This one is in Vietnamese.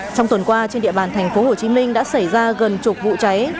trong tuần qua trên địa bàn tp hcm đã xảy ra gần chục vụ cháy